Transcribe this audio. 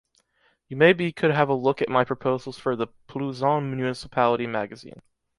You may be could have a look at my proposals for the Plouzane municipality magazine.